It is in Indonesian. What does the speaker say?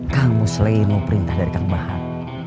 gang muselemu perintah dari kang bahak